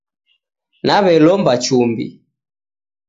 Nawelomba chumbi